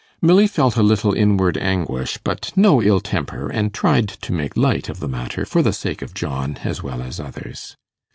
Milly felt a little inward anguish, but no ill temper, and tried to make light of the matter for the sake of John as well as others.